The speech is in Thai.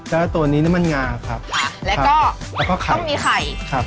แล้วตัวนี้น้ำมันงาครับค่ะแล้วก็แล้วก็ไข่ต้องมีไข่ครับ